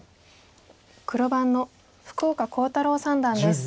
黒番の福岡航太朗三段です。